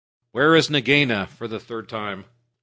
"Where is Nagaina, for the third time?"